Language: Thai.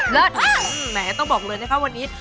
เลิศค่ะอืมแหมต้องบอกเลยนะคะวันนี้